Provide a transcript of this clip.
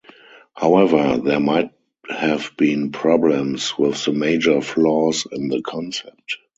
However, there might have been problems with the major flaws in the concept.